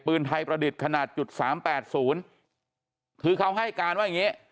ปืนไทยประดิษฐ์ขนาดจุดสามแปดศูนย์คือเขาให้การว่าอย่างงี้